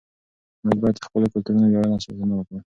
موږ باید د خپلو کلتوري ویاړونو ساتنه وکړو.